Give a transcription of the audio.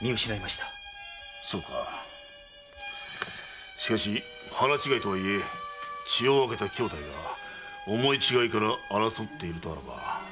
そうかしかし腹違いとはいえ血を分けた兄弟が思い違いから争っているとあらば見過ごせぬな。